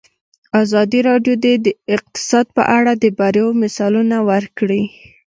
ازادي راډیو د اقتصاد په اړه د بریاوو مثالونه ورکړي.